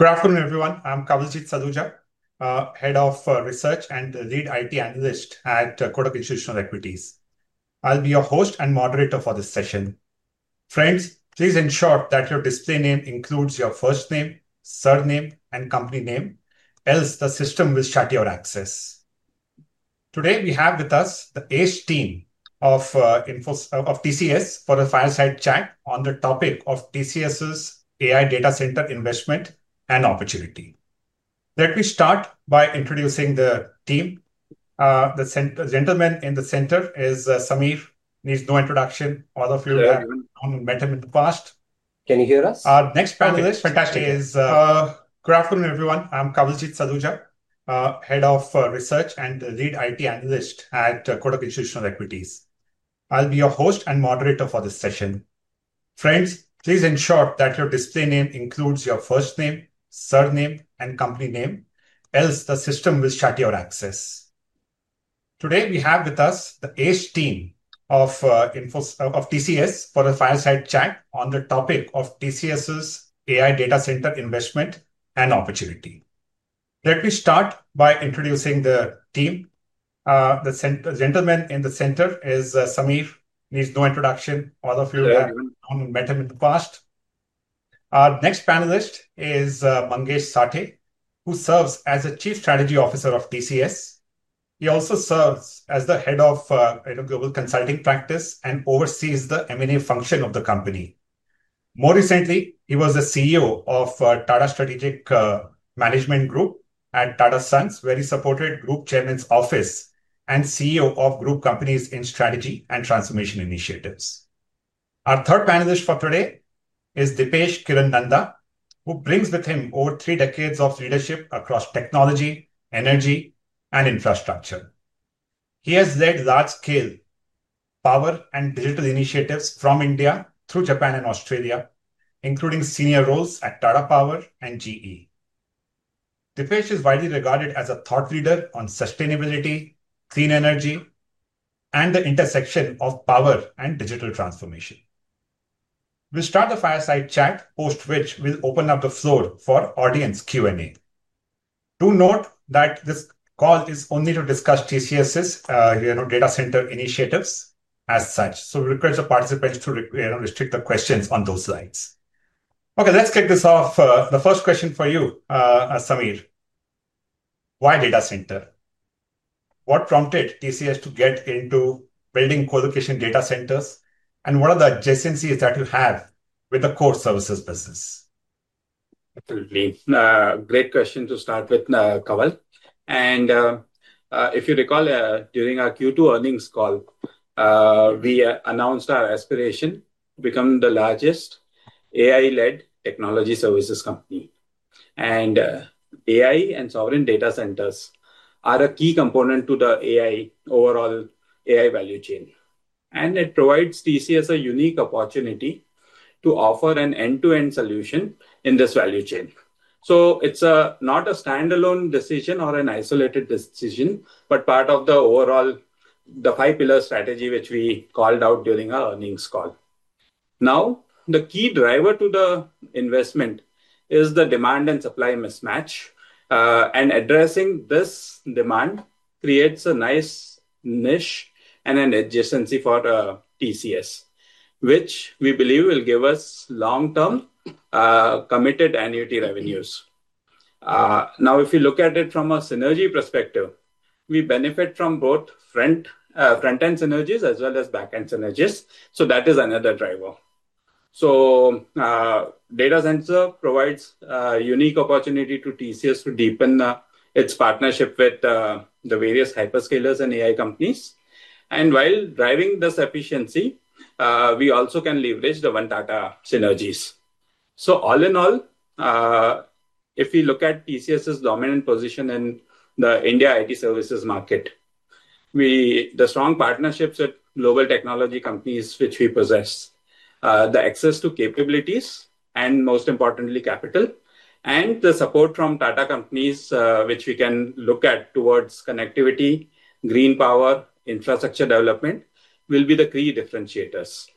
Good afternoon, everyone. I'm Kawaljeet Saluja, Head of Research and Lead IT Analyst at Kotak Institutional Equities. I'll be your host and moderator for this session. Friends, please ensure that your display name includes your first name, surname, and company name, else the system will shut your access. Today, we have with us the ACE team of TCS for a fireside chat on the topic of TCS' AI data center investment and opportunity. Let me start by introducing the team. The gentleman in the center is Samir. Needs no introduction. All of you have met him in the past. Can you hear us? Our next panelist is fantastic. Good afternoon, everyone. I'm Kawaljeet Saluja, Head of Research and Lead IT Analyst at Kotak Institutional Equities. I'll be your host and moderator for this session. Friends, please ensure that your display name includes your first name, surname, and company name, else the system will shut your access. Today, we have with us the ACE team of TCS for a fireside chat on the topic of TCS's AI data center investment and opportunity. Let me start by introducing the team. The gentleman in the center is Samir. Needs no introduction. All of you have met him in the past. Our next panelist is Mangesh Sathe, who serves as Chief Strategy Officer of TCS. He also serves as the Head of Global Consulting Practice and oversees the M&A function of the company. More recently, he was the CEO of Tata Strategic Management Group at Tata Sons, where he supported Group Chairman's Office and CEO of Group Companies in Strategy and Transformation Initiatives. Our third panelist for today is Deepesh Kiran Nanda, who brings with him over three decades of leadership across technology, energy, and infrastructure. He has led large-scale power and digital initiatives from India through Japan and Australia, including senior roles at Tata Power and GE. Deepesh is widely regarded as a thought leader on sustainability, clean energy, and the intersection of power and digital transformation. We'll start the fireside chat, post which we'll open up the floor for audience Q&A. Do note that this call is only to discuss TCS's data center initiatives as such. We request the participants to restrict the questions on those slides. Okay, let's kick this off. The first question for you, Samir. Why data center? What prompted TCS to get into building co-location data centers? What are the adjacencies that you have with the core services business? Absolutely. Great question to start with, Kawal. If you recall, during our Q2 earnings call, we announced our aspiration to become the largest AI-led technology services company. AI and sovereign data centers are a key component to the overall AI value chain, and it provides TCS a unique opportunity to offer an end-to-end solution in this value chain. It is not a standalone decision or an isolated decision, but part of the overall five-pillar strategy which we called out during our earnings call. The key driver to the investment is the demand and supply mismatch, and addressing this demand creates a nice niche and an adjacency for TCS, which we believe will give us long-term committed annuity revenues. If you look at it from a synergy perspective, we benefit from both front-end synergies as well as back-end synergies. That is another driver. The data center provides a unique opportunity to TCS to deepen its partnership with the various hyperscalers and AI companies. While driving this efficiency, we also can leverage the one-data synergies. All in all, if we look at TCS's dominant position in the India IT services market, the strong partnerships with global technology companies which we possess, the access to capabilities, and most importantly, capital, and the support from Tata companies which we can look at towards connectivity, green power, infrastructure development will be the key differentiators.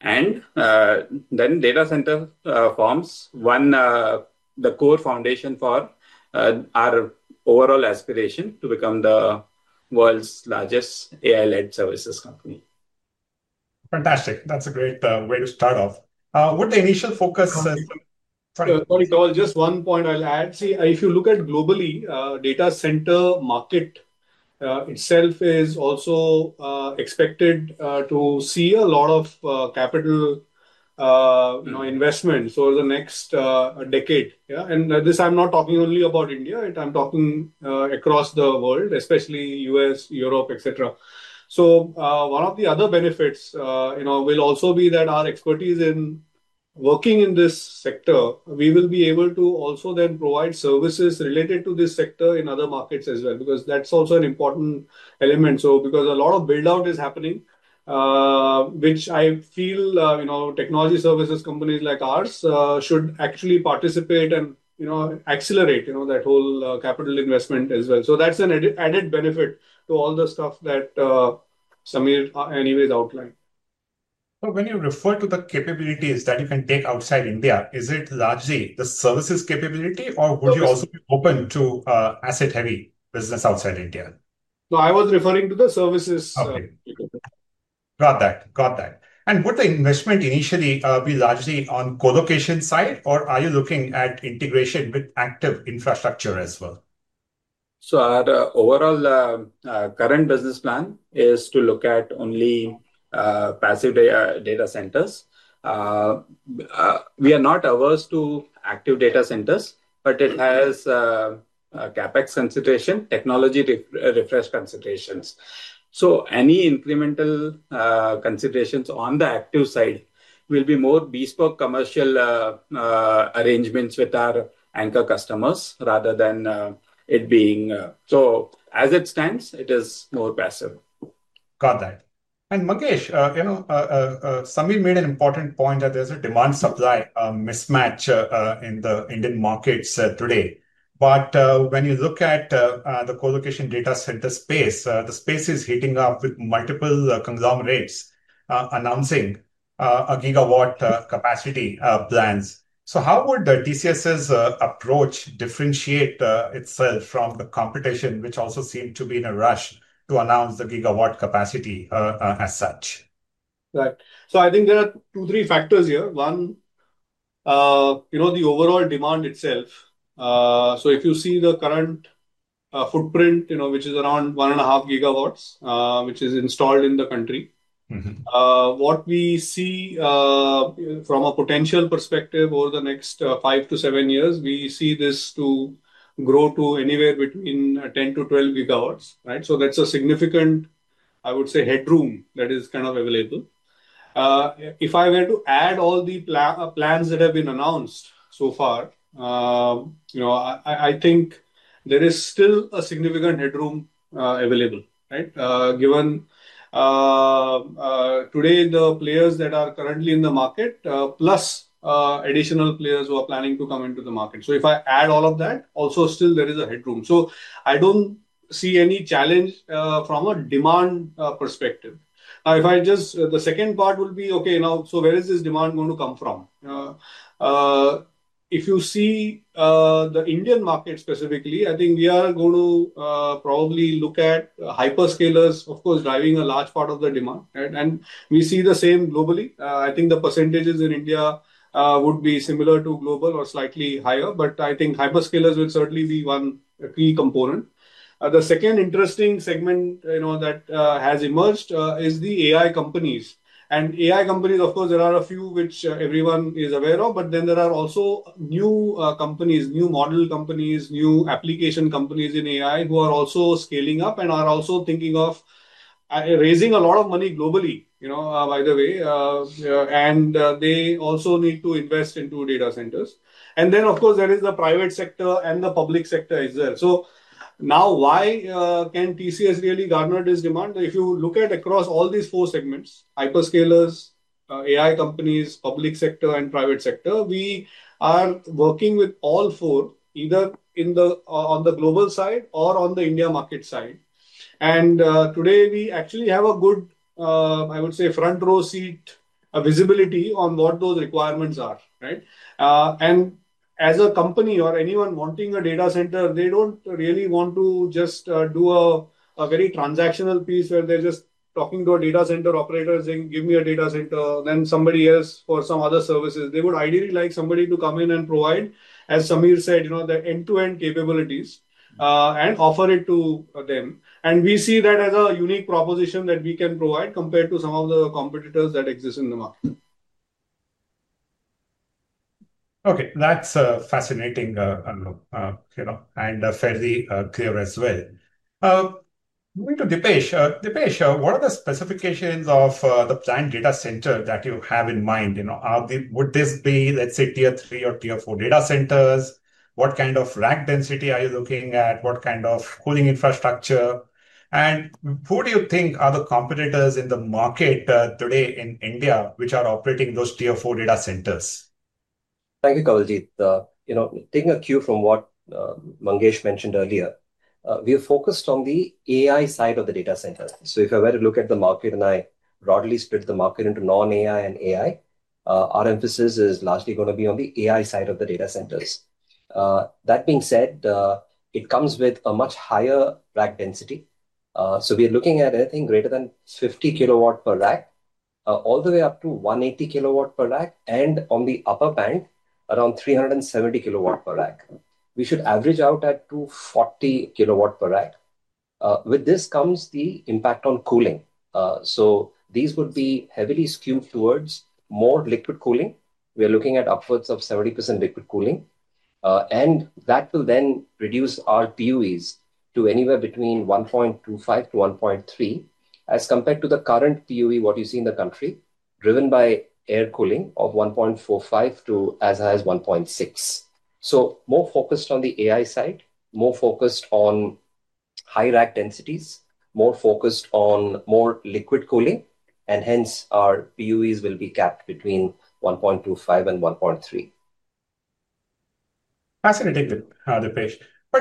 The data center forms one of the core foundations for our overall aspiration to become the world's largest AI-led services company. Fantastic. That's a great way to start off. What the initial focus? Sorry, Kawal, just one point I'll add. See, if you look at globally, the data center market itself is also expected to see a lot of capital investment over the next decade. I'm not talking only about India. I'm talking across the world, especially the U.S., Europe, et cetera. One of the other benefits will also be that our expertise in working in this sector, we will be able to also then provide services related to this sector in other markets as well because that's also an important element. A lot of build-out is happening, which I feel technology services companies like ours should actually participate and accelerate that whole capital investment as well. That's an added benefit to all the stuff that Samir anyways outlined. When you refer to the capabilities that you can take outside India, is it largely the services capability, or would you also be open to asset-heavy business outside India? No, I was referring to the services. Okay. Got that. Got that. Would the investment initially be largely on the co-location side, or are you looking at integration with active infrastructure as well? Our overall current business plan is to look at only passive data centers. We are not averse to active data centers, but it has CapEx consideration and technology refresh considerations. Any incremental considerations on the active side will be more bespoke commercial arrangements with our anchor customers rather than it being. As it stands, it is more passive. Got that. Mangesh, Samir made an important point that there's a demand-supply mismatch in the Indian markets today. When you look at the co-location data center space, the space is heating up with multiple conglomerates announcing gigawatt capacity plans. How would Tata Consultancy Services' approach differentiate itself from the competition, which also seemed to be in a rush to announce the gigawatt capacity as such? Right. I think there are two, three factors here. One, the overall demand itself. If you see the current footprint, which is around 1.5 gigawatts, which is installed in the country, what we see from a potential perspective over the next five to seven years, we see this to grow to anywhere between 10 GW-12 GW. That's a significant, I would say, headroom that is kind of available. If I were to add all the plans that have been announced so far, I think there is still a significant headroom available, given today the players that are currently in the market, plus additional players who are planning to come into the market. If I add all of that, also still there is a headroom. I don't see any challenge from a demand perspective. Now, the second part will be, where is this demand going to come from? If you see the Indian market specifically, I think we are going to probably look at hyperscalers, of course, driving a large part of the demand. We see the same globally. I think the percentages in India would be similar to global or slightly higher. I think hyperscalers will certainly be one key component. The second interesting segment that has emerged is the AI companies. AI companies, of course, there are a few which everyone is aware of, but then there are also new companies, new model companies, new application companies in AI who are also scaling up and are also thinking of raising a lot of money globally, by the way. They also need to invest into data centers. Then, of course, there is the private sector and the public sector as well. Now, why can TCS really garner this demand? If you look at across all these four segments—hyperscalers, AI companies, public sector, and private sector—we are working with all four, either on the global side or on the India market side. Today, we actually have a good, I would say, front-row seat, visibility on what those requirements are. As a company or anyone wanting a data center, they don't really want to just do a very transactional piece where they're just talking to a data center operator saying, "Give me a data center," then somebody else for some other services. They would ideally like somebody to come in and provide, as Samir said, the end-to-end capabilities and offer it to them. We see that as a unique proposition that we can provide compared to some of the competitors that exist in the market. Okay. That's fascinating and fairly clear as well. Moving to Deepesh. Deepesh, what are the specifications of the planned data center that you have in mind? Would this be, let's say, tier three or tier four data centers? What kind of rack density are you looking at? What kind of cooling infrastructure? Who do you think are the competitors in the market today in India which are operating those tier four data centers? Thank you, Kawal. Taking a cue from what Mangesh mentioned earlier, we are focused on the AI side of the data center. If I were to look at the market and I broadly split the market into non-AI and AI, our emphasis is largely going to be on the AI side of the data centers. That being said, it comes with a much higher rack density. We are looking at anything greater than 50 kW per rack, all the way up to 180 kW per rack, and on the upper band, around 370 kW per rack. We should average out at 240 kW per rack. With this comes the impact on cooling. These would be heavily skewed towards more liquid cooling. We are looking at upwards of 70% liquid cooling. That will then reduce our PUEs to anywhere between 1.25-1.3 as compared to the current PUE, what you see in the country, driven by air cooling of 1.45 to as high as 1.6. We are more focused on the AI side, more focused on high rack densities, more focused on more liquid cooling, and hence our PUEs will be capped between 1.25 and 1.3. Fascinating, Deepesh.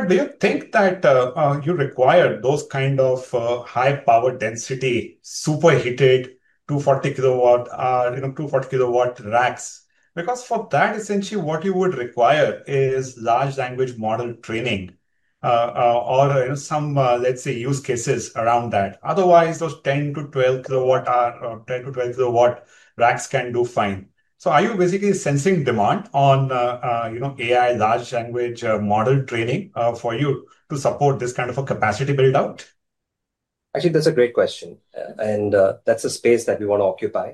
Do you think that you require those kind of high-power density, superheated 240 kW racks? For that, essentially, what you would require is large language model training or, let's say, use cases around that. Otherwise, those 10 kW-12 kW racks can do fine. Are you basically sensing demand on AI large language model training for you to support this kind of a capacity build-out? Actually, that's a great question. That's a space that we want to occupy.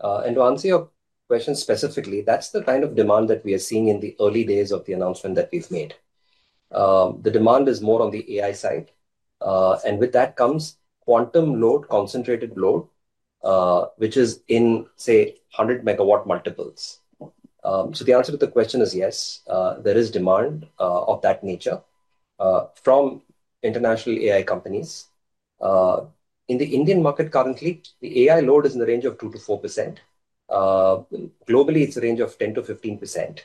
To answer your question specifically, that's the kind of demand that we are seeing in the early days of the announcement that we've made. The demand is more on the AI side, and with that comes quantum load, concentrated load, which is in, say, 100 MW multiples. The answer to the question is yes, there is demand of that nature from international AI companies. In the Indian market currently, the AI load is in the range of 2%-4%. Globally, it's a range of 10%-15%.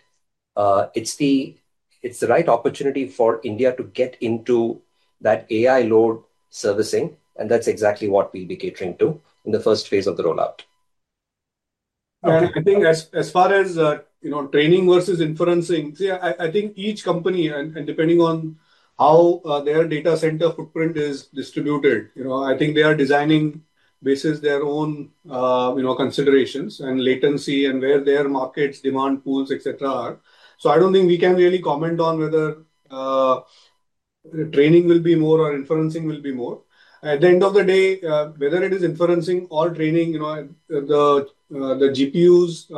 It's the right opportunity for India to get into that AI load servicing, and that's exactly what we'll be catering to in the first phase of the rollout. I think as far as training versus inferencing, I think each company, and depending on how their data center footprint is distributed, they are designing basis their own considerations and latency and where their markets, demand pools, et cetera, are. I don't think we can really comment on whether training will be more or inferencing will be more. At the end of the day, whether it is inferencing or training, the GPUs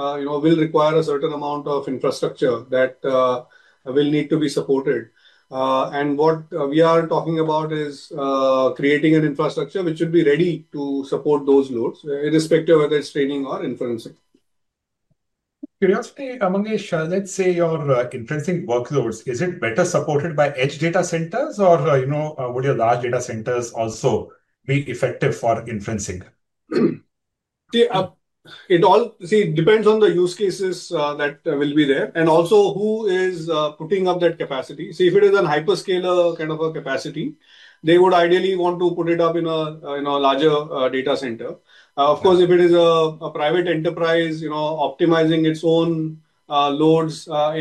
will require a certain amount of infrastructure that will need to be supported. What we are talking about is creating an infrastructure which should be ready to support those loads, irrespective of whether it's training or inferencing. Curiosity, Mangesh, let's say your inferencing workloads, is it better supported by edge data centers, or would your large data centers also be effective for inferencing? See, it depends on the use cases that will be there and also who is putting up that capacity. If it is a hyperscaler kind of a capacity, they would ideally want to put it up in a larger data center. Of course, if it is a private enterprise optimizing its own loads for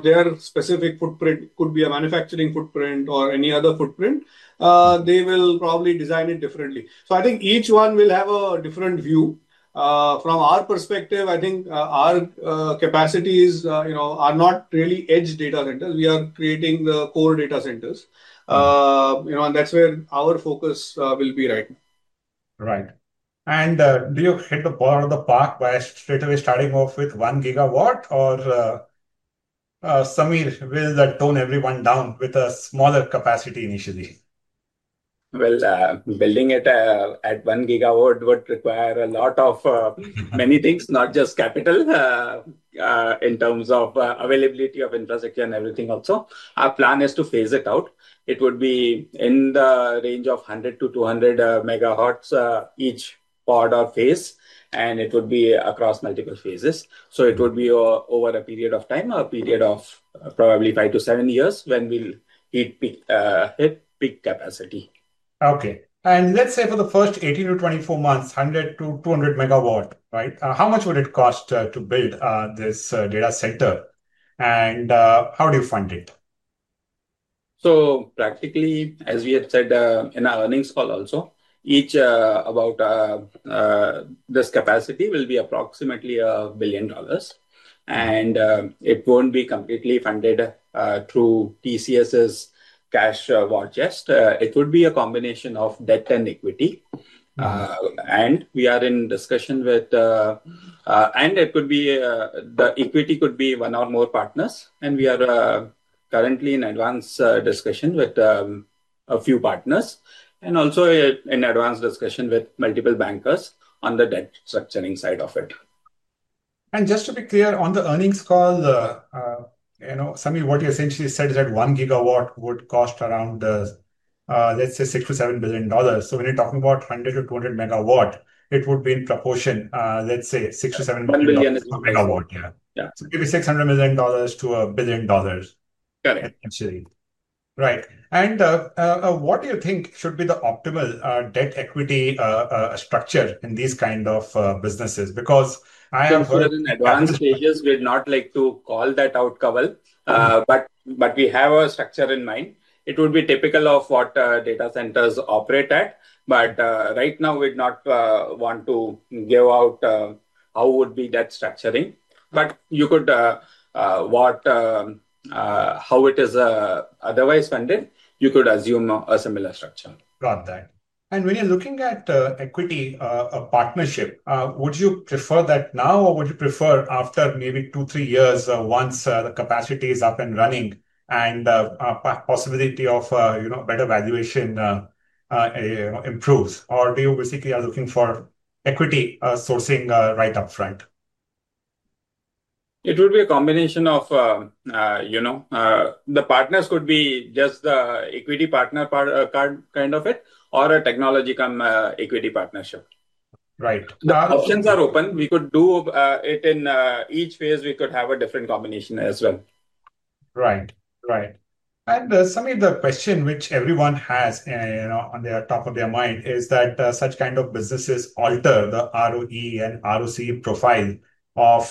their specific footprint, it could be a manufacturing footprint or any other footprint, they will probably design it differently. I think each one will have a different view. From our perspective, I think our capacities are not really edge data centers. We are creating the core data centers, and that's where our focus will be right now. Right. Do you hit the ball out of the park by straight away starting off with one gigawatt, or, Samir, will that tone everyone down with a smaller capacity initially? Building it at one gigawatt would require a lot of many things, not just capital. In terms of availability of infrastructure and everything also, our plan is to phase it out. It would be in the range of 100 MW-200 MW each pod or phase, and it would be across multiple phases. It would be over a period of time, a period of probably five to seven years when we'll hit peak capacity. Okay. Let's say for the first 18 to 24 months, 100 MW-200 MW, right? How much would it cost to build this data center? How do you fund it? As we have said in our earnings call also, this capacity will be approximately $1 billion. It won't be completely funded through TCS's cash war chest. It would be a combination of debt and equity. We are in discussion with partners. The equity could be one or more partners. We are currently in advanced discussion with a few partners and also in advanced discussion with multiple bankers on the debt structuring side of it. Just to be clear, on the earnings call, Samir, what you essentially said is that one gigawatt would cost around, let's say, $6 billion-$7 billion. When you're talking about 100 MW-200 MW, it would be in proportion, let's say, $6 billion-$7 billion. $1 billion. Megawatt. Yeah, maybe $600 million-$1 billion. Correct. Right. What do you think should be the optimal debt equity structure in these kind of businesses? Because I am. In advanced stages, we'd not like to call that out, Kawal. We have a structure in mind. It would be typical of what data centers operate at. Right now, we'd not want to give out how that structuring would be. You could, how it is otherwise funded, assume a similar structure. Got that. When you're looking at equity partnership, would you prefer that now or would you prefer after maybe two, three years once the capacity is up and running and the possibility of better valuation improves? Do you basically are looking for equity sourcing right upfront? It would be a combination of the partners could be just the equity partner kind of it or a technology equity partnership. Right. The options are open. We could do it in each phase. We could have a different combination as well. Right. Right. Samir, the question which everyone has on the top of their mind is that such kind of businesses alter the ROE and ROC profile of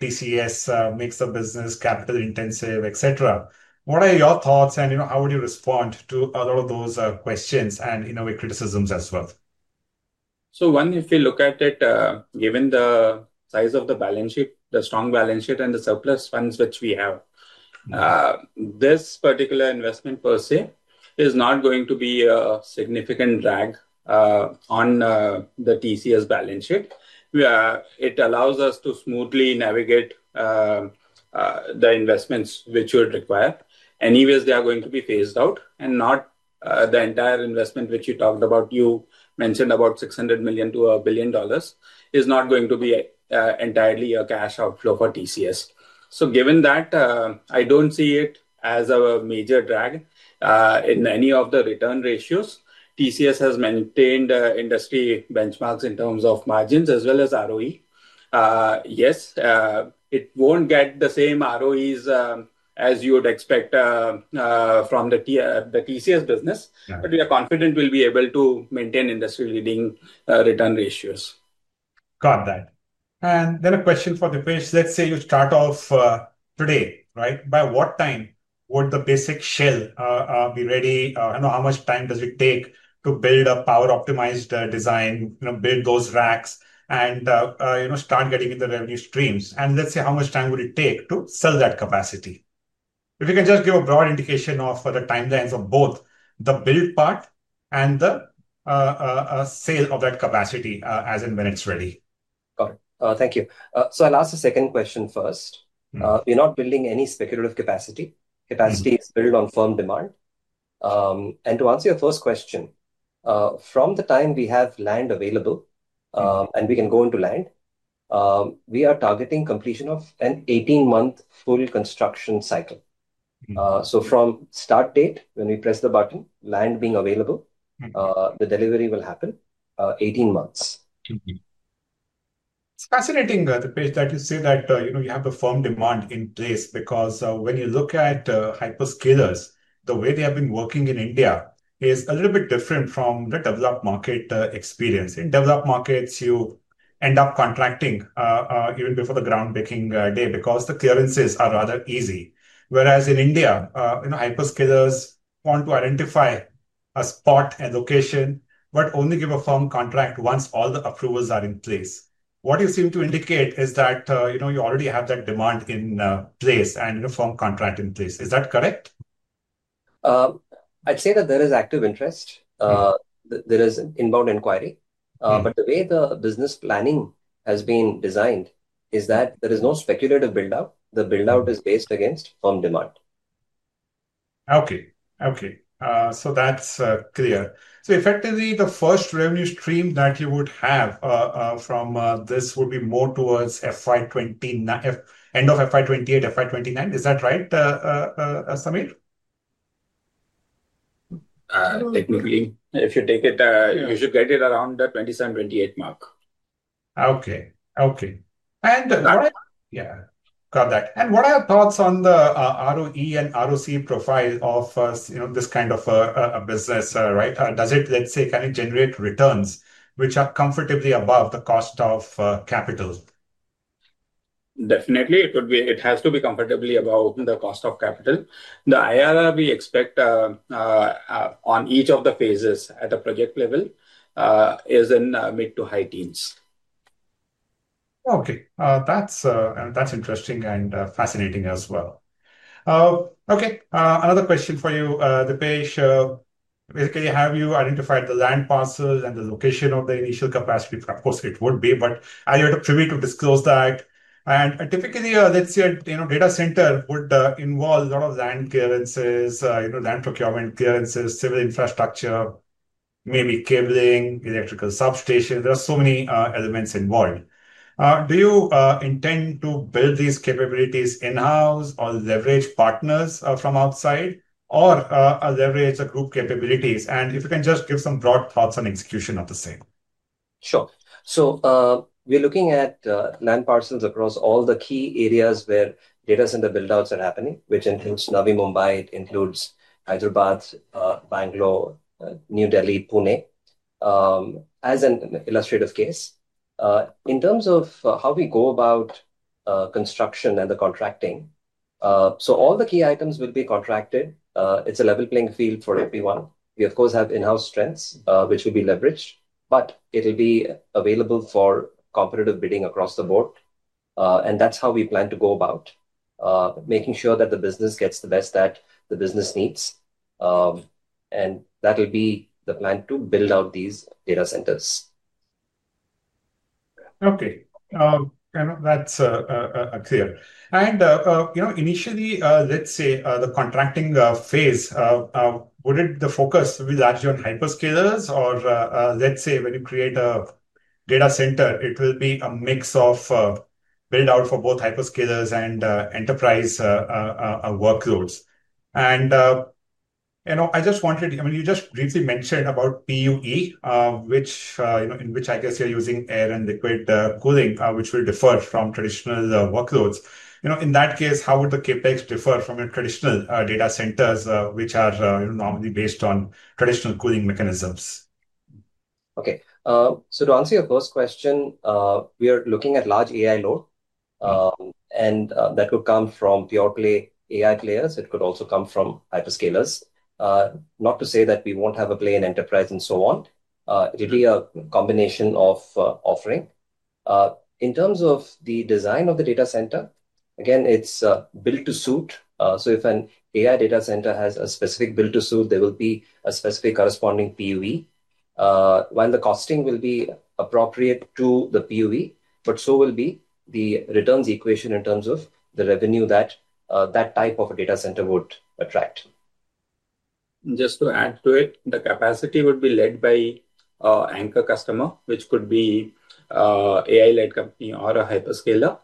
TCS, makes the business capital intensive, et cetera. What are your thoughts and how would you respond to a lot of those questions and criticisms as well? If you look at it, given the size of the balance sheet, the strong balance sheet, and the surplus funds which we have, this particular investment per se is not going to be a significant drag on the TCS balance sheet. It allows us to smoothly navigate the investments which would require. Anyways, they are going to be phased out, and not the entire investment which you talked about, you mentioned about $600 million-$1 billion, is not going to be entirely a cash outflow for TCS. Given that, I don't see it as a major drag in any of the return ratios. TCS has maintained industry benchmarks in terms of margins as well as ROE. Yes, it won't get the same ROEs as you would expect from the TCS business, but we are confident we'll be able to maintain industry-leading return ratios. Got that. A question for Deepesh. Let's say you start off today, right? By what time would the basic shell be ready? How much time does it take to build a power-optimized design, build those racks, and start getting into the revenue streams? Let's say how much time would it take to sell that capacity? If you can just give a broad indication of the timelines of both the build part and the sale of that capacity as and when it's ready. Got it. Thank you. I'll ask a second question first. We're not building any speculative capacity. Capacity is built on firm demand. To answer your first question, from the time we have land available and we can go into land, we are targeting completion of an 18-month full construction cycle. From start date, when we press the button, land being available, the delivery will happen in 18 months. It's fascinating, Deepesh, that you say that you have the firm demand in place because when you look at hyperscalers, the way they have been working in India is a little bit different from the developed market experience. In developed markets, you end up contracting even before the groundbreaking day because the clearances are rather easy. Whereas in India, hyperscalers want to identify a spot and location, but only give a firm contract once all the approvals are in place. What you seem to indicate is that you already have that demand in place and a firm contract in place. Is that correct? I'd say that there is active interest. There is an inbound inquiry. The way the business planning has been designed is that there is no speculative build-out. The build-out is based against firm demand. Okay. Okay. That's clear. Effectively, the first revenue stream that you would have from this would be more towards end of FY 2028, FY 2029. Is that right, Samir? Technically, if you take it, you should get it around the 27, 28 mark. Okay. Got that. What are your thoughts on the ROE and ROC profile of this kind of a business, right? Does it, let's say, kind of generate returns which are comfortably above the cost of capital? Definitely, it has to be comfortably above the cost of capital. The IRR we expect on each of the phases at the project level is in mid to high teens. Okay. That's interesting and fascinating as well. Another question for you, Deepesh. Basically, have you identified the land parcels and the location of the initial capacity? Of course, it would be, but are you at a privy to disclose that? Typically, let's say a data center would involve a lot of land clearances, land procurement clearances, civil infrastructure, maybe cabling, electrical substation. There are so many elements involved. Do you intend to build these capabilities in-house or leverage partners from outside or leverage the group capabilities? If you can just give some broad thoughts on execution of the same. Sure. We're looking at land parcels across all the key areas where data center build-outs are happening, which includes Navi Mumbai, Hyderabad, Bangalore, New Delhi, and Pune. As an illustrative case, in terms of how we go about construction and the contracting, all the key items will be contracted. It's a level playing field for everyone. We, of course, have in-house strengths which will be leveraged, but it'll be available for competitive bidding across the board. That's how we plan to go about making sure that the business gets the best that the business needs. That'll be the plan to build out these data centers. Okay. That's clear. Initially, let's say the contracting phase, would the focus be largely on hyperscalers, or when you create a data center, will it be a mix of build-out for both hyperscalers and enterprise workloads? I just wanted—I mean, you just briefly mentioned about PUE, in which I guess you're using air and liquid cooling, which will differ from traditional workloads. In that case, how would the CapEx differ from your traditional data centers, which are normally based on traditional cooling mechanisms? Okay. To answer your first question, we are looking at large AI load. That could come from pure play AI players. It could also come from hyperscalers. Not to say that we won't have a play in enterprise and so on. It would be a combination of offering. In terms of the design of the data center, again, it's built to suit. If an AI data center has a specific build to suit, there will be a specific corresponding PUE. While the costing will be appropriate to the PUE, so will be the returns equation in terms of the revenue that that type of a data center would attract. Just to add to it, the capacity would be led by anchor customer, which could be an AI-led company or a hyperscaler.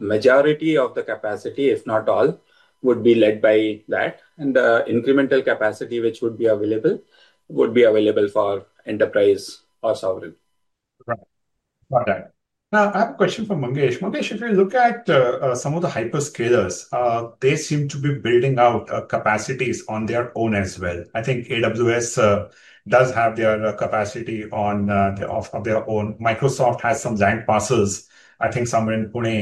Majority of the capacity, if not all, would be led by that. The incremental capacity, which would be available, would be available for enterprise or sovereign. Right. Got it. Now, I have a question for Mangesh. Mangesh, if you look at some of the hyperscalers, they seem to be building out capacities on their own as well. I think AWS does have their capacity on their own. Microsoft has some land parcels, I think, somewhere in Pune.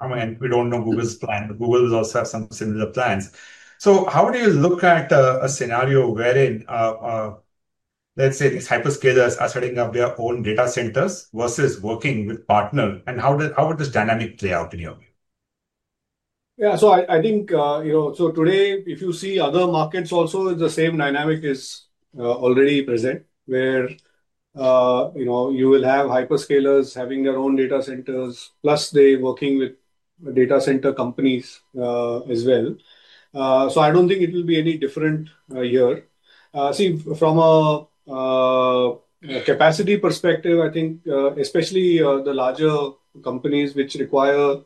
I mean, we don't know Google's plan. Google will also have some similar plans. How do you look at a scenario wherein, let's say, these hyperscalers are setting up their own data centers versus working with partners? How would this dynamic play out in your view? Yeah. I think today, if you see other markets also, the same dynamic is already present where you will have hyperscalers having their own data centers, plus they're working with data center companies as well. I don't think it will be any different here. See, from a capacity perspective, I think especially the larger companies which require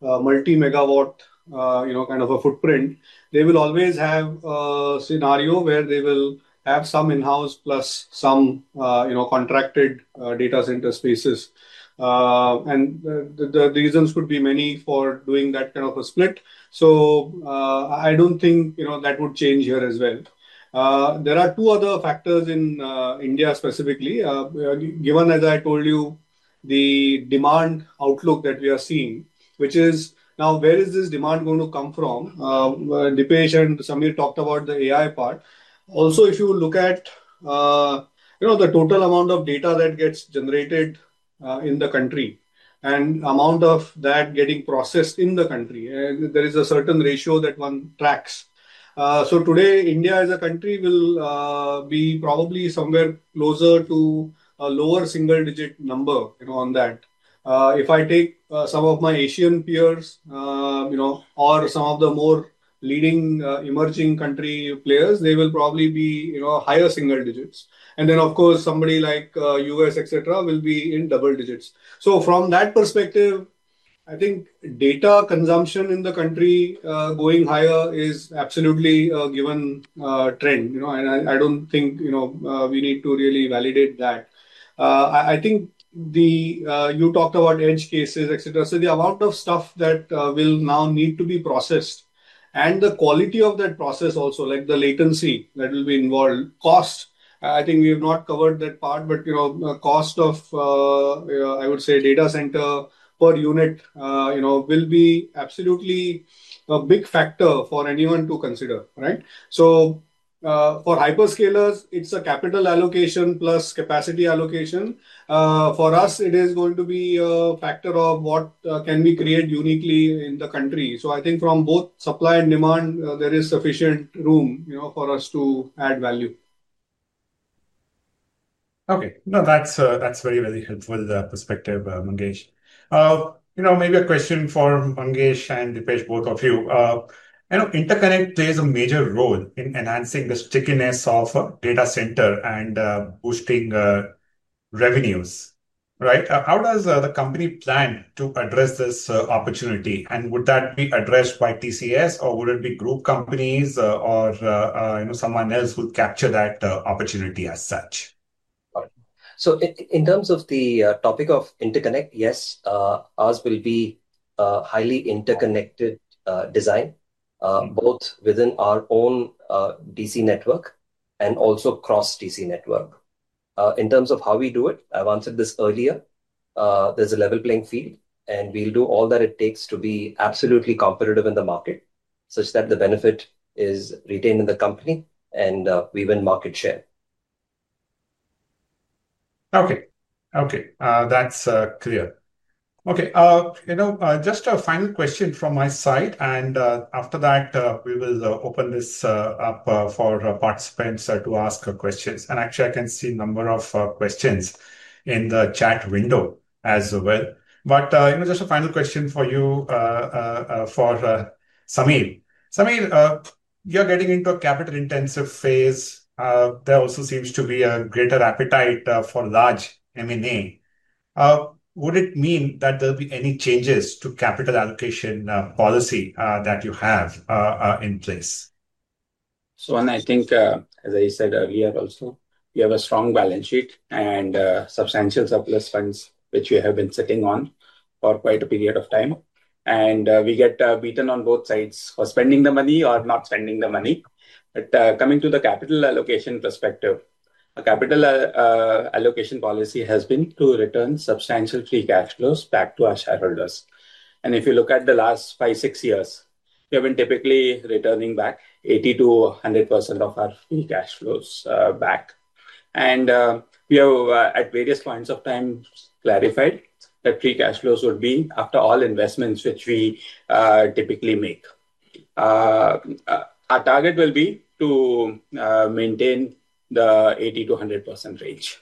multi-megawatt kind of a footprint, they will always have a scenario where they will have some in-house plus some contracted data center spaces. The reasons could be many for doing that kind of a split. I don't think that would change here as well. There are two other factors in India specifically. Given, as I told you, the demand outlook that we are seeing, which is now, where is this demand going to come from? Deepesh and Samir talked about the AI part. Also, if you look at the total amount of data that gets generated in the country and the amount of that getting processed in the country, there is a certain ratio that one tracks. Today, India as a country will be probably somewhere closer to a lower single-digit number on that. If I take some of my Asian peers or some of the more leading emerging country players, they will probably be higher single digits. Of course, somebody like the U.S., etc., will be in double digits. From that perspective, I think data consumption in the country going higher is absolutely a given trend. I don't think we need to really validate that. You talked about edge cases, etc. The amount of stuff that will now need to be processed and the quality of that process also, like the latency that will be involved, cost, I think we have not covered that part, but the cost of, I would say, data center per unit will be absolutely a big factor for anyone to consider, right? For hyperscalers, it's a capital allocation plus capacity allocation. For us, it is going to be a factor of what can we create uniquely in the country. I think from both supply and demand, there is sufficient room for us to add value. That's a very, very helpful perspective, Mangesh. Maybe a question for Mangesh and Deepesh, both of you. I know interconnect plays a major role in enhancing the stickiness of a data center and boosting revenues, right? How does the company plan to address this opportunity? Would that be addressed by Tata Consultancy Services, or would it be group companies or someone else who captured that opportunity as such? In terms of the topic of interconnect, yes, ours will be a highly interconnected design, both within our own data center network and also cross-data center network. In terms of how we do it, I've answered this earlier. There's a level playing field, and we'll do all that it takes to be absolutely competitive in the market such that the benefit is retained in the company and we win market share. Okay. That's clear. Just a final question from my side. After that, we will open this up for participants to ask questions. I can see a number of questions in the chat window as well. Just a final question for you, Samir. Samir, you're getting into a capital-intensive phase. There also seems to be a greater appetite for large M&A. Would it mean that there'll be any changes to capital allocation policy that you have in place? I think, as I said earlier, also we have a strong balance sheet and substantial surplus funds, which we have been sitting on for quite a period of time. We get beaten on both sides for spending the money or not spending the money. Coming to the capital allocation perspective, a capital allocation policy has been to return substantial free cash flows back to our shareholders. If you look at the last five, six years, we have been typically returning back 80%-100% of our free cash flows back. We have, at various points of time, clarified that free cash flows would be after all investments which we typically make. Our target will be to maintain the 80%-100% range.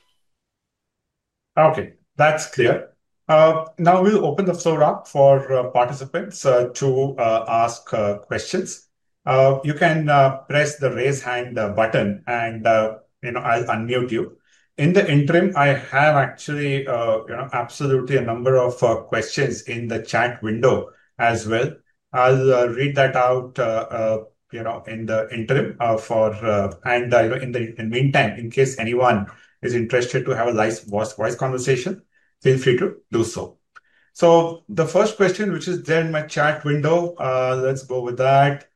Okay. That's clear. Now we'll open the floor up for participants to ask questions. You can press the raise hand button, and I'll unmute you. In the interim, I have absolutely a number of questions in the chat window as well. I'll read that out in the interim. In the meantime, in case anyone is interested to have a live voice conversation, feel free to do so. The first question, which is there in my chat window, let's go with that.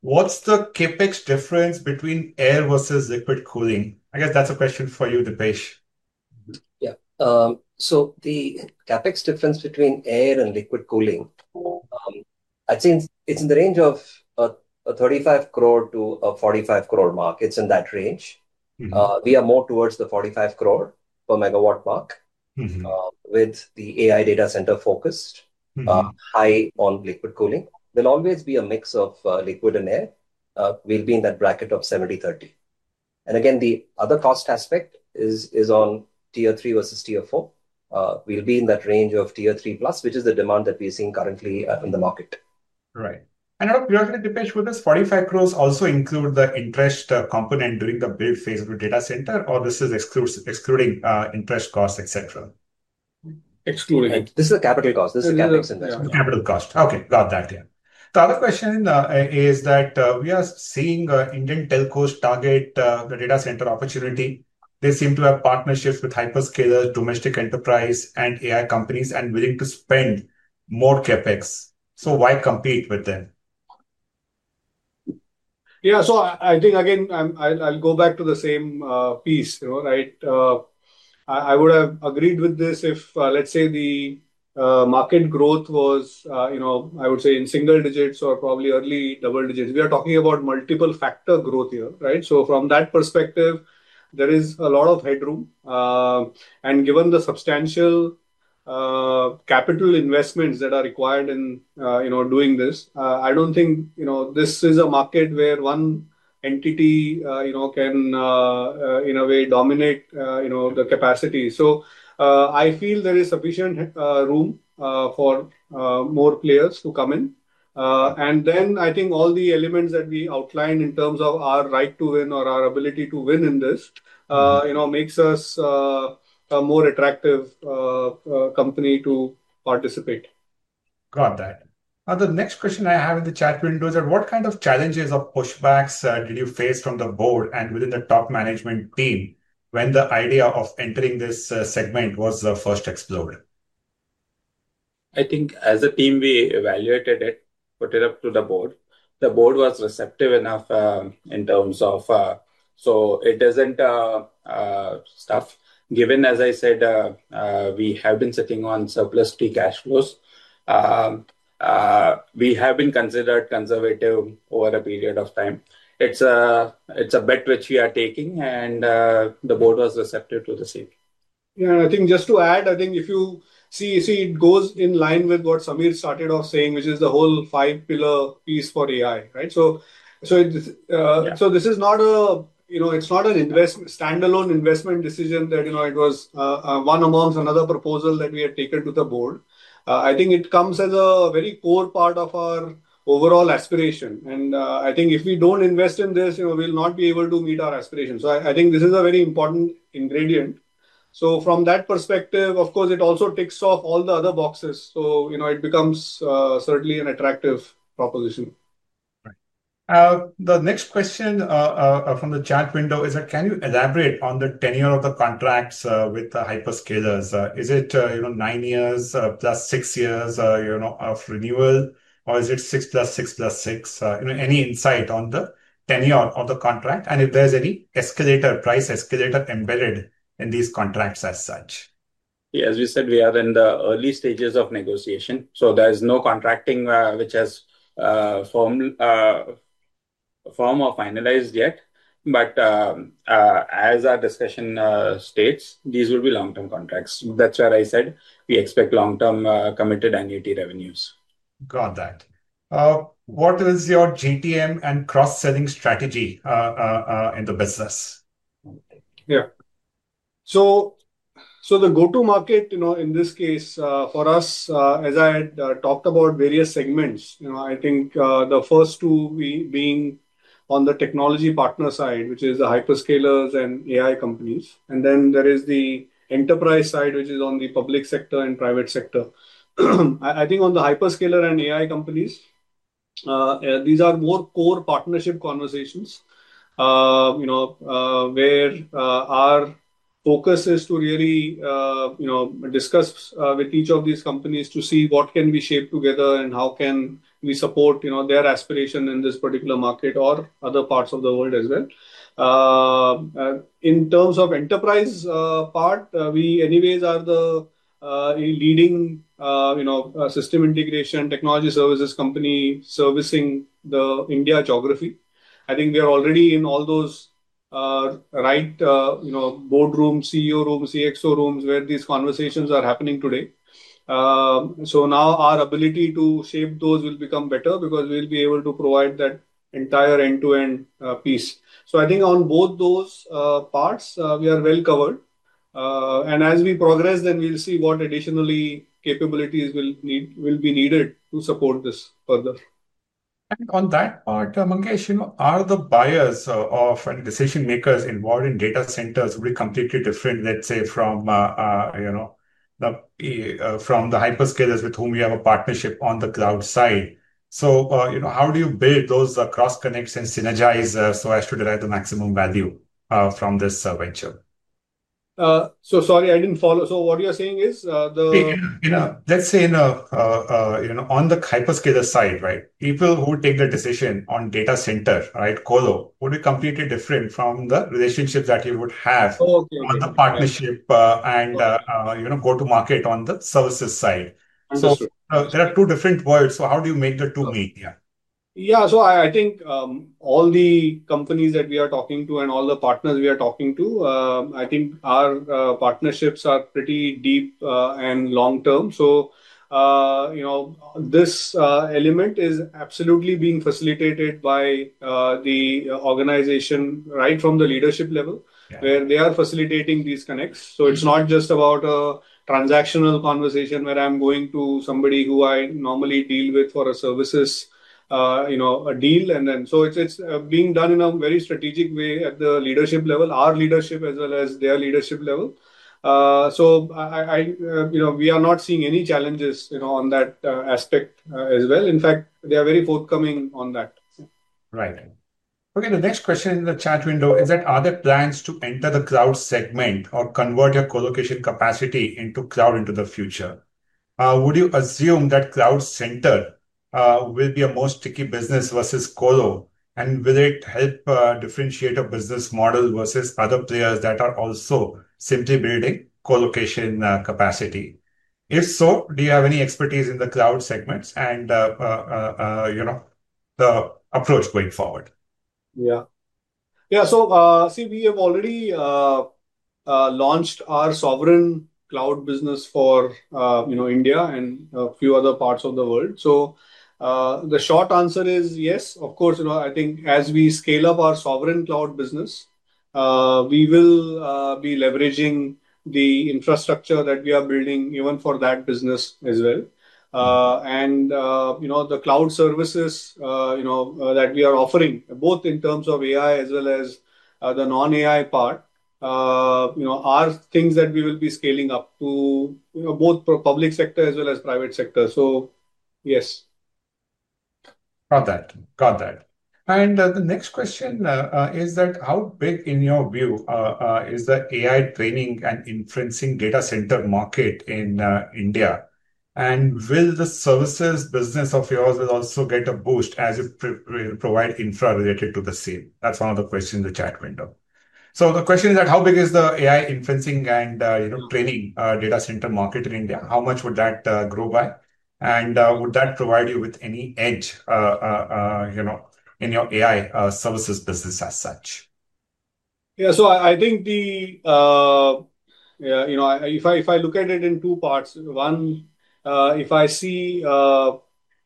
What's the CapEx difference between air versus liquid cooling? I guess that's a question for you, Deepesh. Yeah. The CapEx difference between air and liquid cooling, I'd say it's in the range of 35 crore-45 crore. It's in that range. We are more towards the 45 crore per megawatt mark with the AI data center focused high on liquid cooling. There'll always be a mix of liquid and air. We'll be in that bracket of 70/30. The other cost aspect is on tier three versus tier four. We'll be in that range of tier three plus, which is the demand that we are seeing currently in the market. Right. Deepesh, does this 45 crore also include the interest component during the build phase of the data center, or is this excluding interest costs, et cetera? Excluding this is a capital cost. This is a CapEx investment. Capital cost. Okay. Got that. The other question is that we are seeing Indian telcos target the data center opportunity. They seem to have partnerships with hyperscalers, domestic enterprise, and AI companies and are willing to spend more CapEx. Why compete with them? I think, again, I'll go back to the same piece, right? I would have agreed with this if, let's say, the market growth was in single digits or probably early double digits. We are talking about multiple-factor growth here, right? From that perspective, there is a lot of headroom. Given the substantial capital investments that are required in doing this, I don't think this is a market where one entity can dominate the capacity. I feel there is sufficient room for more players to come in. All the elements that we outlined in terms of our right to win or our ability to win in this make us a more attractive company to participate. Got that. Now, the next question I have in the chat window is what kind of challenges or pushbacks did you face from the board and within the top management team when the idea of entering this segment was first explored? I think as a team, we evaluated it, put it up to the board. The board was receptive enough in terms of it. Given, as I said, we have been sitting on surplus free cash flows. We have been considered conservative over a period of time. It's a bet which we are taking, and the board was receptive to the same. I think just to add, if you see, it goes in line with what Samir started off saying, which is the whole five-pillar piece for AI, right? This is not a standalone investment decision that it was one amongst another proposal that we had taken to the board. I think it comes as a very core part of our overall aspiration. I think if we don't invest in this, we'll not be able to meet our aspirations. I think this is a very important ingredient. From that perspective, of course, it also ticks off all the other boxes. It becomes certainly an attractive proposition. Right. The next question from the chat window is that can you elaborate on the tenure of the contracts with the hyperscalers? Is it nine years plus six years of renewal, or is it six plus six plus six? Any insight on the tenure of the contract and if there's any price escalator embedded in these contracts as such? Yeah. As we said, we are in the early stages of negotiation. There is no contracting which has formed or finalized yet. As our discussion states, these will be long-term contracts. That's why I said we expect long-term committed annuity revenues. Got that. What is your GTM and cross-selling strategy in the business? Yeah. The go-to-market in this case for us, as I had talked about various segments, the first two being on the technology partner side, which is the hyperscalers and AI companies, and then there is the enterprise side, which is on the public sector and private sector. On the hyperscaler and AI companies, these are more core partnership conversations where our focus is to really discuss with each of these companies to see what can we shape together and how can we support their aspiration in this particular market or other parts of the world as well. In terms of enterprise part, we anyways are the leading system integration technology services company servicing the India geography. I think we are already in all those boardroom, CEO rooms, CXO rooms where these conversations are happening today. Now our ability to shape those will become better because we'll be able to provide that entire end-to-end piece. I think on both those parts, we are well covered. As we progress, then we'll see what additional capabilities will be needed to support this further. On that part, Mangesh, are the buyers of and decision-makers involved in data centers completely different, let's say, from the hyperscalers with whom we have a partnership on the cloud side? How do you build those cross-connects and synergize so as to derive the maximum value from this venture? Sorry, I didn't follow. What you're saying is the. Let's say, on the hyperscaler side, right? People who take the decision on data center, right, colo, would be completely different from the relationship that you would have on the partnership and go-to-market on the services side. There are two different worlds. How do you make the two meet? Yeah. Yeah. I think all the companies that we are talking to and all the partners we are talking to, our partnerships are pretty deep and long-term. This element is absolutely being facilitated by the organization right from the leadership level where they are facilitating these connects. It's not just about a transactional conversation where I'm going to somebody who I normally deal with for a services deal. It's being done in a very strategic way at the leadership level, our leadership as well as their leadership level. We are not seeing any challenges on that aspect as well. In fact, they are very forthcoming on that. Right. Okay. The next question in the chat window is that are there plans to enter the cloud segment or convert your colocation capacity into cloud in the future? Would you assume that cloud center will be a more sticky business versus colo, and will it help differentiate a business model versus other players that are also simply building colocation capacity? If so, do you have any expertise in the cloud segments and the approach going forward? Yeah. We have already launched our sovereign cloud business for India and a few other parts of the world. The short answer is yes. Of course, I think as we scale up our sovereign cloud business, we will be leveraging the infrastructure that we are building even for that business as well. The cloud services that we are offering, both in terms of AI as well as the non-AI part, are things that we will be scaling up to both public sector as well as private sector. So yes. Got that. The next question is that how big, in your view, is the AI training and inferencing data center market in India? Will the services business of yours also get a boost as you provide infra related to the same? That's one of the questions in the chat window. The question is that how big is the AI inferencing and training data center market in India? How much would that grow by? Would that provide you with any edge in your AI services business as such? Yeah. I think if I look at it in two parts. One, if I see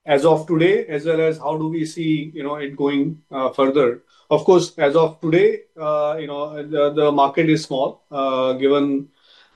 as of today, as well as how do we see it going further. Of course, as of today, the market is small given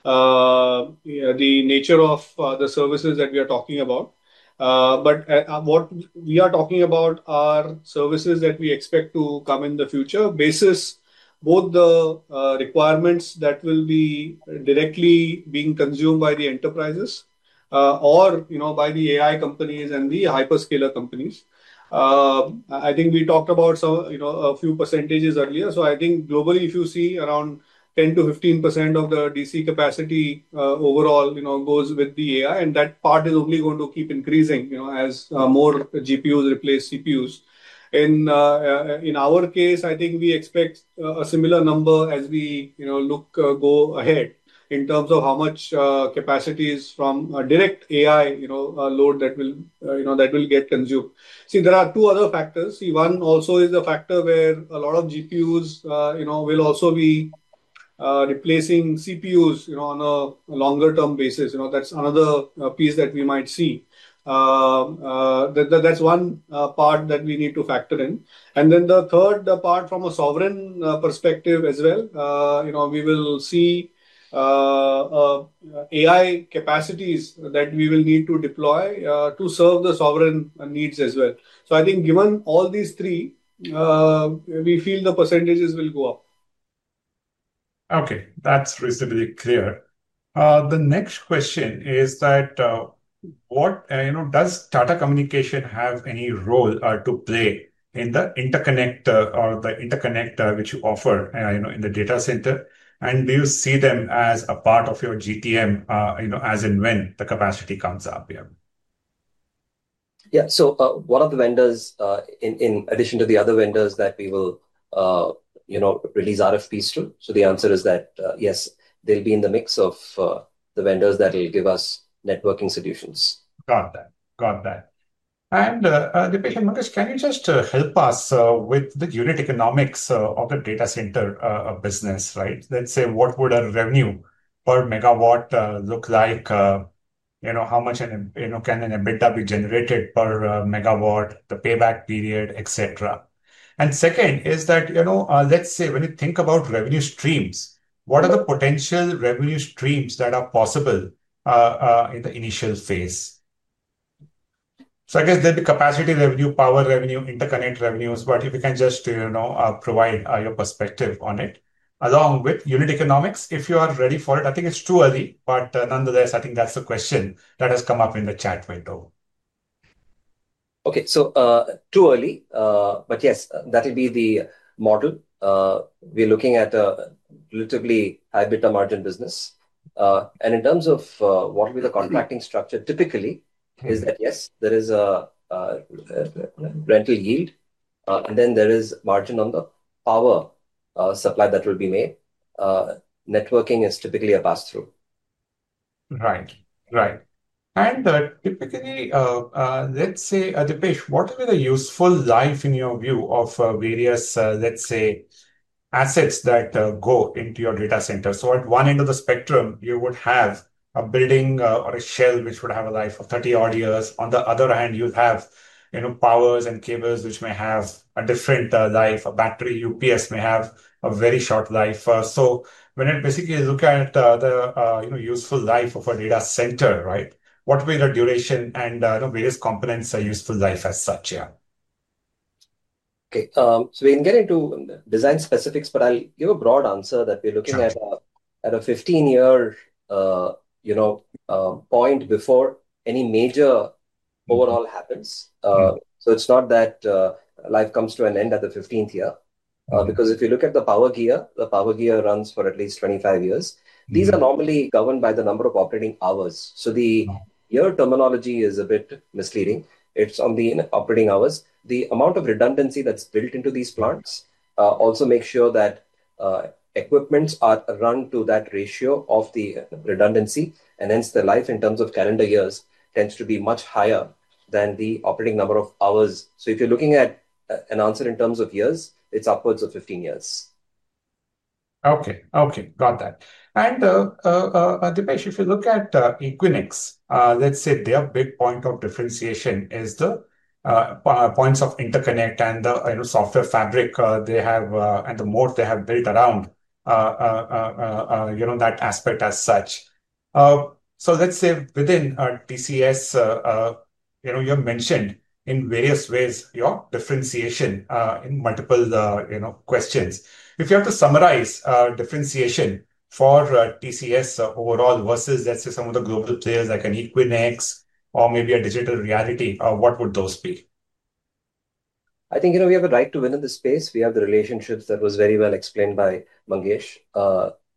the nature of the services that we are talking about. What we are talking about are services that we expect to come in the future, basis both the requirements that will be directly being consumed by the enterprises or by the AI companies and the hyperscaler companies. I think we talked about a few % earlier. I think globally, if you see, around 10%-15% of the DC capacity overall goes with the AI, and that part is only going to keep increasing as more GPUs replace CPUs. In our case, I think we expect a similar number as we look go ahead in terms of how much capacities from direct AI load that will get consumed. There are two other factors. One also is the factor where a lot of GPUs will also be replacing CPUs on a longer-term basis. That's another piece that we might see. That's one part that we need to factor in. Then the third part from a sovereign perspective as well, we will see AI capacities that we will need to deploy to serve the sovereign needs as well. I think given all these three, we feel the percentages will go up. Okay. That's reasonably clear. The next question is that, what does data communication have any role to play in the interconnector or the interconnector which you offer in the data center? Do you see them as a part of your GTM as and when the capacity comes up? Yeah. One of the vendors, in addition to the other vendors that we will release RFPs to, will be in the mix of the vendors that will give us networking solutions. Got that. Got that. Deepesh, Mangesh, can you just help us with the unit economics of the data center business, right? Let's say what would our revenue per megawatt look like? How much can an EBITDA be generated per megawatt, the payback period, etc.? When you think about revenue streams, what are the potential revenue streams that are possible in the initial phase? I guess there'll be capacity revenue, power revenue, interconnect revenues. If you can just provide your perspective on it along with unit economics, if you are ready for it. I think it's too early, but nonetheless, I think that's the question that has come up in the chat window. Okay. Too early, but yes, that would be the model. We're looking at a relatively high-bid margin business. In terms of what will be the contracting structure, typically is that yes, there is a rental yield, and then there is margin on the power supply that will be made. Networking is typically a pass-through. Right. Right. Typically, let's say, Deepesh, what would be the useful life in your view of various, let's say, assets that go into your data center? At one end of the spectrum, you would have a building or a shell which would have a life of 30 odd years. On the other hand, you'd have powers and cables which may have a different life. A battery UPS may have a very short life. When I basically look at the useful life of a data center, what will be the duration and various components' useful life as such? Okay. We can get into design specifics, but I'll give a broad answer that we're looking at a 15-year point before any major overhaul happens. It's not that life comes to an end at the 15th year. If you look at the power gear, the power gear runs for at least 25 years. These are normally governed by the number of operating hours. The year terminology is a bit misleading. It's on the operating hours. The amount of redundancy that's built into these plants also makes sure that equipment are run to that ratio of the redundancy, and hence, the life in terms of calendar years tends to be much higher than the operating number of hours. If you're looking at an answer in terms of years, it's upwards of 15 years. Okay. Got that. Deepesh, if you look at Equinix, let's say their big point of differentiation is the points of interconnect and the software fabric they have and the moat they have built around that aspect as such. Let's say within TCS, you have mentioned in various ways your differentiation in multiple questions. If you have to summarize differentiation for TCS overall versus, let's say, some of the global players like an Equinix or maybe a Digital Realty, what would those be? I think we have a right to win in this space. We have the relationships that were very well explained by Mangesh.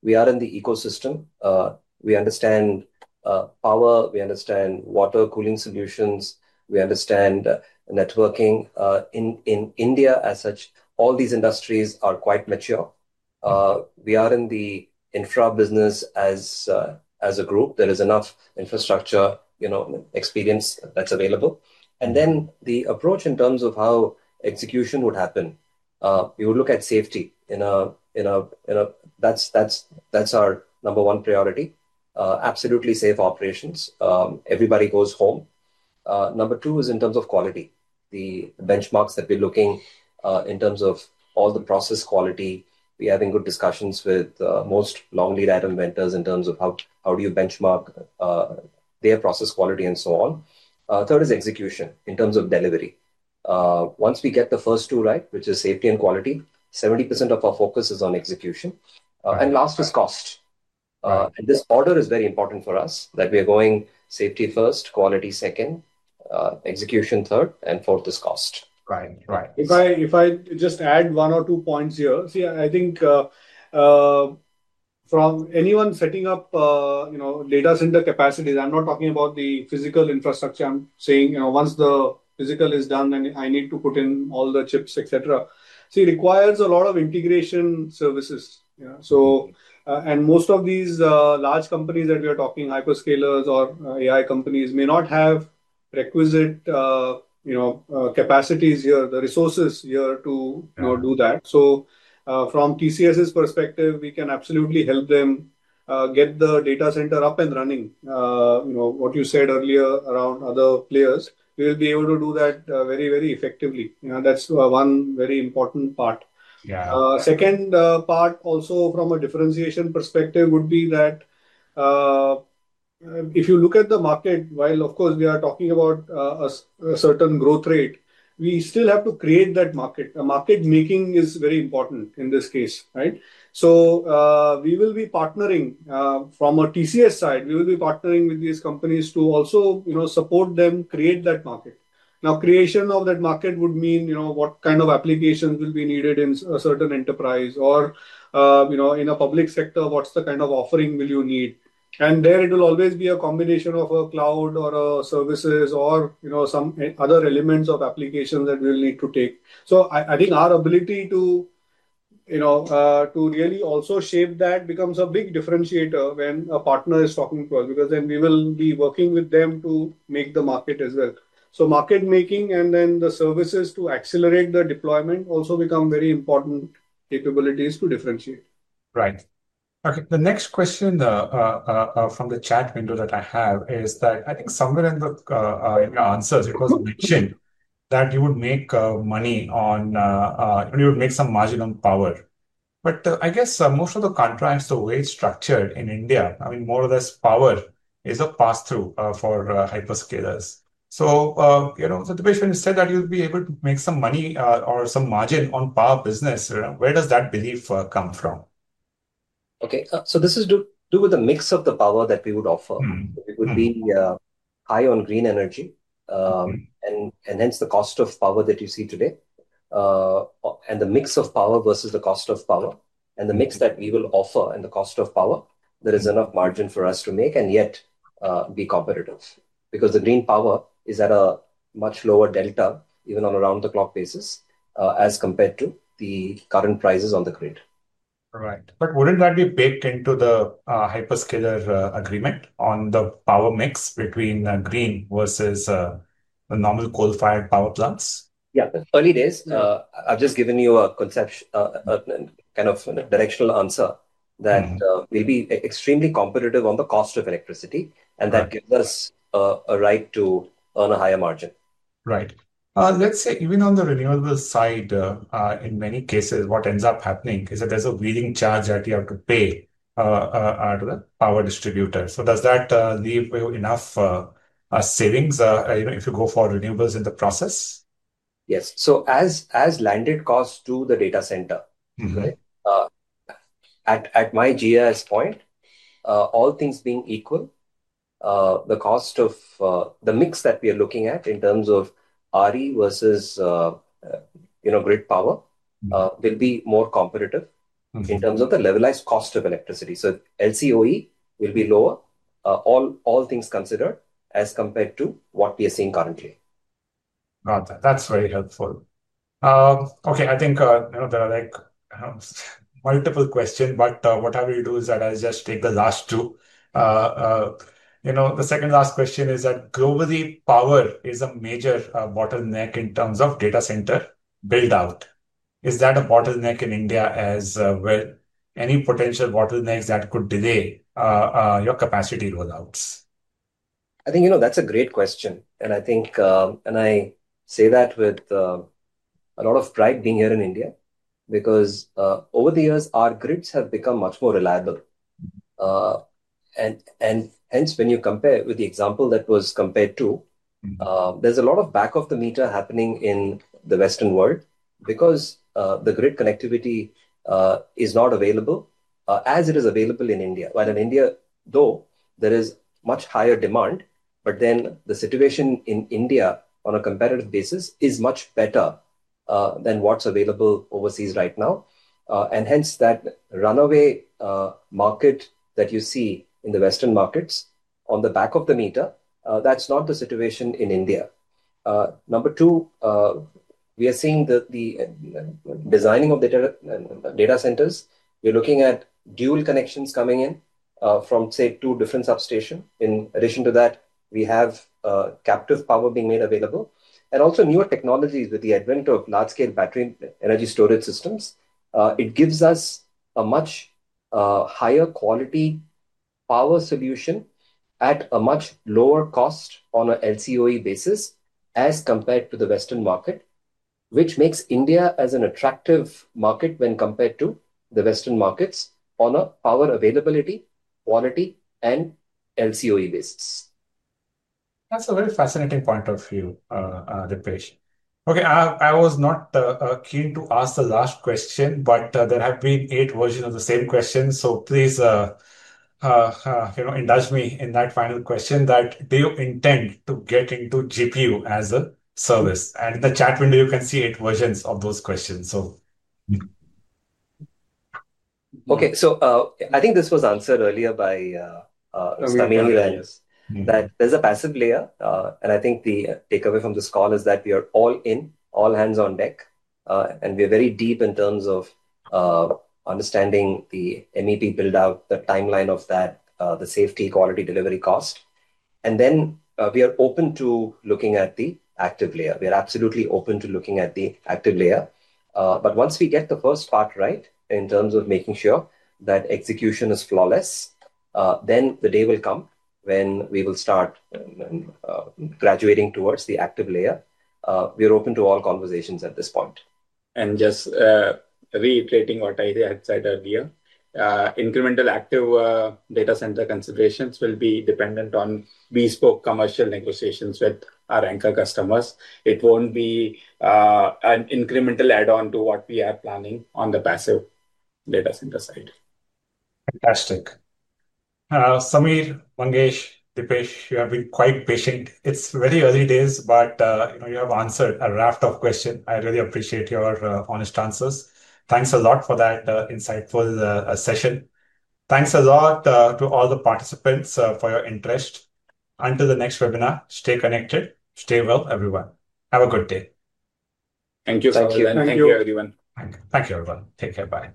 We are in the ecosystem. We understand power. We understand water cooling solutions. We understand networking. In India as such, all these industries are quite mature. We are in the infra business as a group. There is enough infrastructure experience that's available. The approach in terms of how execution would happen, you would look at safety. That's our number one priority. Absolutely safe operations. Everybody goes home. Number two is in terms of quality. The benchmarks that we're looking in terms of all the process quality, we are having good discussions with most long lead item vendors in terms of how do you benchmark their process quality and so on. Third is execution in terms of delivery. Once we get the first two right, which is safety and quality, 70% of our focus is on execution. Last is cost. This order is very important for us, that we are going safety first, quality second, execution third, and fourth is cost. Right. Right. If I just add one or two points here, I think from anyone setting up data center capacities, I'm not talking about the physical infrastructure. I'm saying once the physical is done, then I need to put in all the chips, et cetera. It requires a lot of integration services, and most of these large companies that we are talking, hyperscalers or AI companies, may not have requisite capacities here, the resources here to do that. From TCS's perspective, we can absolutely help them get the data center up and running. What you said earlier around other players, we will be able to do that very, very effectively. That's one very important part. The second part also from a differentiation perspective would be that if you look at the market, while of course we are talking about a certain growth rate, we still have to create that market. Market making is very important in this case, right? We will be partnering from a TCS side. We will be partnering with these companies to also support them, create that market. Now, creation of that market would mean what kind of applications will be needed in a certain enterprise or in a public sector, what's the kind of offering will you need? There it will always be a combination of a cloud or services or some other elements of applications that we will need to take. I think our ability to really also shape that becomes a big differentiator when a partner is talking to us because then we will be working with them to make the market as well. Market making and then the services to accelerate the deployment also become very important capabilities to differentiate. Right. Okay. The next question from the chat window that I have is that I think somewhere in your answers, it was mentioned that you would make money on, you would make some margin on power. I guess most of the contracts, the way it's structured in India, more or less power is a pass-through for hyperscalers. Deepesh, when you said that you'll be able to make some money or some margin on power business, where does that belief come from? This is to do with the mix of the power that we would offer. It would be high on green energy, hence the cost of power that you see today. The mix of power versus the cost of power and the mix that we will offer and the cost of power, there is enough margin for us to make and yet be competitive because the green power is at a much lower delta, even on a round-the-clock basis as compared to the current prices on the grid. Right. Wouldn't that be baked into the hyperscaler agreement on the power mix between green versus normal coal-fired power plants? Yeah. Early days. I've just given you a kind of directional answer that we'll be extremely competitive on the cost of electricity, and that gives us a right to earn a higher margin. Right. Let's say even on the renewable side, in many cases, what ends up happening is that there's a waiting charge that you have to pay to the power distributor. Does that leave enough savings if you go for renewables in the process? Yes. As landed costs to the data center, right, at my GIS point, all things being equal, the cost of the mix that we are looking at in terms of RE versus grid power will be more competitive in terms of the levelized cost of electricity. LCOE will be lower, all things considered, as compared to what we are seeing currently. Got it. That's very helpful. Okay. I think there are like multiple questions, but what I will do is that I'll just take the last two. The second last question is that globally, power is a major bottleneck in terms of data center buildout. Is that a bottleneck in India as well? Any potential bottlenecks that could delay your capacity rollouts? I think that's a great question. I say that with a lot of pride being here in India because over the years, our grids have become much more reliable. When you compare with the example that was compared to, there's a lot of back-of-the-meter happening in the Western world because the grid connectivity is not available as it is available in India. While in India, though there is much higher demand, the situation in India on a competitive basis is much better than what's available overseas right now. That runaway market that you see in the Western markets on the back of the meter, that's not the situation in India. Number two, we are seeing the designing of data centers. We're looking at dual connections coming in from, say, two different substations. In addition to that, we have captive power being made available, and also newer technologies with the advent of large-scale battery energy storage systems. It gives us a much higher quality power solution at a much lower cost on an LCOE basis as compared to the Western market, which makes India an attractive market when compared to the Western markets on a power availability, quality, and LCOE basis. That's a very fascinating point of view, Deepesh. Okay, I was not keen to ask the last question, but there have been eight versions of the same question. Please indulge me in that final question: do you intend to get into GPU-as-a-service? In the chat window, you can see eight versions of those questions. Okay. I think this was answered earlier by [Mangesh] that there's a passive layer. I think the takeaway from this call is that we are all in, all hands on deck. We are very deep in terms of understanding the MEP buildout, the timeline of that, the safety, quality, delivery, cost. We are open to looking at the active layer. We are absolutely open to looking at the active layer. Once we get the first part right in terms of making sure that execution is flawless, the day will come when we will start graduating towards the active layer. We are open to all conversations at this point. Just reiterating what I said earlier, incremental active data center considerations will be dependent on bespoke commercial negotiations with our anchor customers. It won't be an incremental add-on to what we are planning on the passive data center side. Fantastic. Samir, Mangesh, Deepesh, you have been quite patient. It's very early days, but you have answered a raft of questions. I really appreciate your honest answers. Thanks a lot for that insightful session. Thanks a lot to all the participants for your interest. Until the next webinar, stay connected. Stay well, everyone. Have a good day. Thank you. Thank you. Thank you, everyone. Thank you, everyone. Take care. Bye.